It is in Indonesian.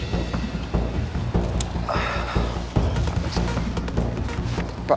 terima kasih pak